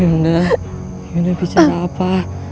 yuna yuna bicara apa